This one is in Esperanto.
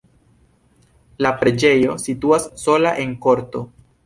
La preĝejo situas sola en korto.